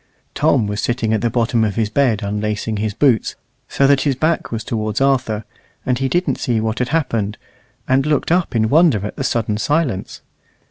Tom was sitting at the bottom of his bed unlacing his boots, so that his back was towards Arthur, and he didn't see what had happened, and looked up in wonder at the sudden silence.